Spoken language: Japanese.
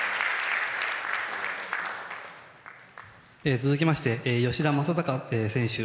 続きまして吉田正尚選手。